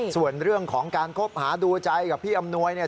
ส่วนเรื่องของการคบหาดูใจกับพี่อำนวยเนี่ย